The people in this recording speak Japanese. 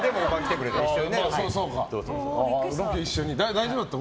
大丈夫だった？